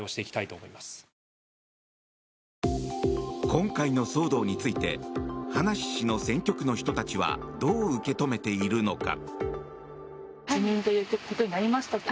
今回の騒動について葉梨氏の選挙区の人たちはどう受け止めているのか。